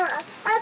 あ